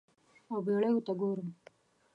او بیړیو ته ګورم